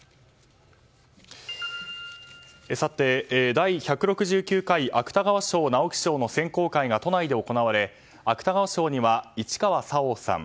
第１６９回芥川賞・直木賞の選考会が都内で行われ芥川賞には市川沙央さん